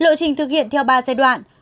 lựa chình thực hiện theo ba giai đoạn